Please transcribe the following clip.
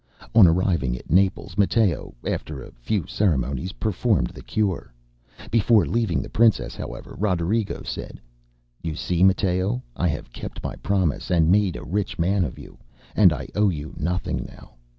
On arriving at Naples, Matteo, after a few ceremonies, performed the cure. Before leaving the princess, however, Roderigo said: ŌĆ£You see, Matteo, I have kept my promise and made a rich man of you, and I owe you nothing now.